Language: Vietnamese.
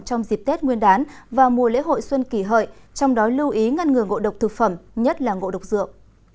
trong dịp tết nguyên đán và mùa lễ hội xuân kỷ hợi trong đó lưu ý ngăn ngừa ngộ độc thực phẩm nhất là ngộ độc rượu